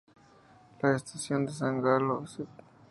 La estación de San Galo St.